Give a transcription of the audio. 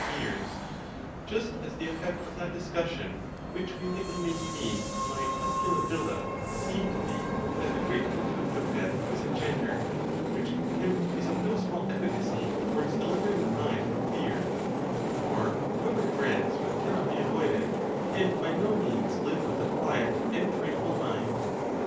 fears; just as the effect of that discussion which we lately maintained in my Tusculan villa seemed to be that a great contempt of death was engendered, which contempt is of no small efficacy towards delivering the mind from fear; for who ever dreads what cannot be avoided can by no means live with a quiet and tranquil mind.